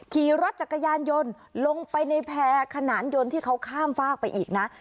ขี่รถจักรยานยนต์ลงไปในแพร่ขนานยนต์ที่เขาข้ามฝากไปอีกนะ